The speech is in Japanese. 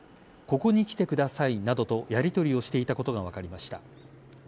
ここに来てくださいなどとやりとりをしていたことが分かりました。